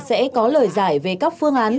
sẽ có lời giải về các phương án